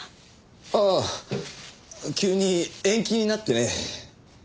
ああ急に延期になってね。